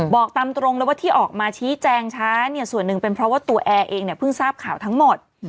บอกตามตรงเลยว่าที่ออกมาชี้แจงช้าเนี่ยส่วนหนึ่งเป็นเพราะว่าตัวแอร์เองเนี่ยเพิ่งทราบข่าวทั้งหมด